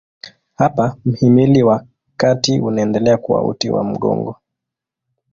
Hapa mhimili wa kati unaendelea kuwa uti wa mgongo.